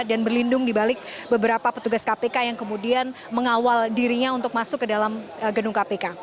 dan berlindung di balik beberapa petugas kpk yang kemudian mengawal dirinya untuk masuk ke dalam gedung kpk